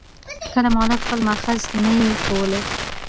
کله مؤلف خپل مأخذ نه يي ښولى.